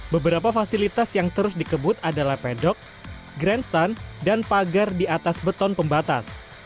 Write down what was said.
beberapa fasilitas yang terus dikebut adalah pedok grandstand dan pagar di atas beton pembatas